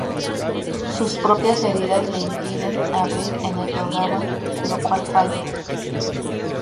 Sus propias heridas le impiden abrir en el programa, lo cual falla.